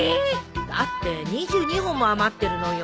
だって２２本も余ってるのよ。